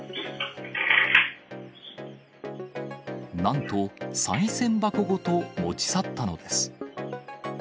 なんと、さい銭箱ごと持ち去ったのです。